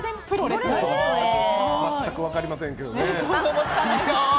全く分かりませんけどね。